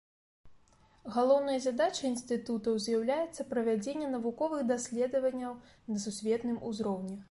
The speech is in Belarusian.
Галоўнай задачай інстытутаў з'яўляецца правядзенне навуковых даследаванняў на сусветным узроўні.